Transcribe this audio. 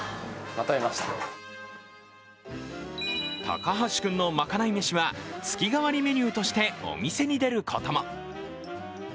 高橋君のまかない飯は月替わりメニューとしてお店に出ることも。